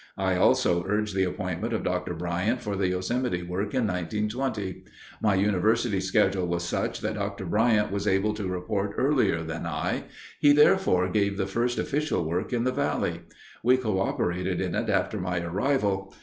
I also urged the appointment of Dr. Bryant for the Yosemite work in 1920. My University schedule was such that Dr. Bryant was able to report earlier than I. He therefore gave the first official work in the valley. We coöperated in it after my arrival.